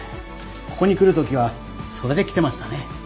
ここに来る時はそれで来てましたね。